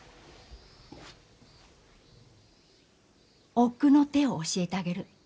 奥の手を教えてあげる。